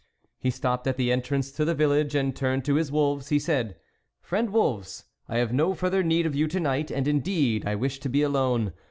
He stopped at the entrance to the vil lage, and turning to his wolves, he said :" Friend wolves, I have no further need of you to night, and indeed, I wish to be alone.